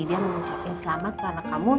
dia mau ucapin selamat ke anak kamu